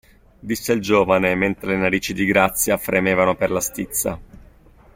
Disse il giovane, mentre le narici di Grazia fremevano per la stizza.